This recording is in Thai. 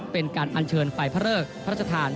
เป็นการอัญเชิญไฟพระเริกพระราชทาน